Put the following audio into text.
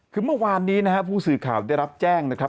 คือเมื่อวานนี้นะฮะผู้สื่อข่าวได้รับแจ้งนะครับ